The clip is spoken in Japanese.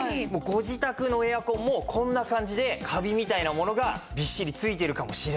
ご自宅のエアコンもこんな感じでカビみたいなものがびっしりついてるかもしれないと。